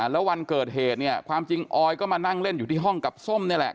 แล้ววันเกิดเหตุเนี่ยความจริงออยก็มานั่งเล่นอยู่ที่ห้องกับส้มนี่แหละ